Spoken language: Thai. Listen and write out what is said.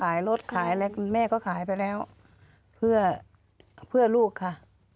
ขายรถขายอะไรแม่ก็ขายไปแล้วเพื่อลูกค่ะ